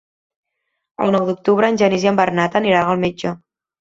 El nou d'octubre en Genís i en Bernat aniran al metge.